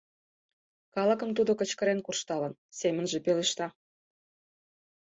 Калыкым тудо кычкырен куржталын, — семынже пелешта.